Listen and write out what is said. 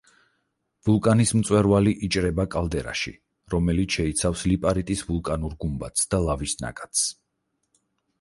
ვულკანის მწვერვალი იჭრება კალდერაში, რომელიც შეიცავს ლიპარიტის ვულკანურ გუმბათს და ლავის ნაკადს.